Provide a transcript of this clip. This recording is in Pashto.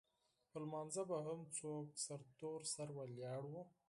پر لمانځه به هم څوک سرتور سر ولاړ وو.